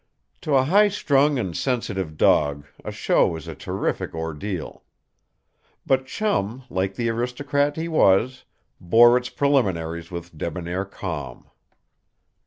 To a high strung and sensitive dog a show is a terrific ordeal. But Chum, like the aristocrat he was, bore its preliminaries with debonair calm.